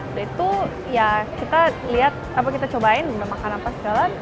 udah itu ya kita liat apa kita cobain udah makan apa segala